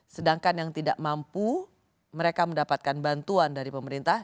sedangkan yang tidak mampu mereka mendapatkan bantuan dari pemerintah